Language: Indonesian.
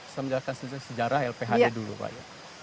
saya menjelaskan sejarah lphd dulu pak ya